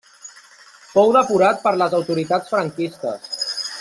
Fou depurat per les autoritats franquistes.